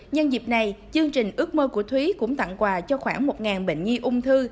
nhân dịp này chương trình ước mơ của thúy cũng tặng quà cho khoảng một bệnh nhi ung thư